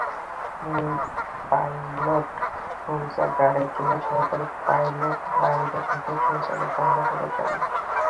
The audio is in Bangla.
মূল পাইলট শৌচাগারে গেলে সহকারী পাইলট বাইরে থেকে শৌচাগার বন্ধ করে দেন।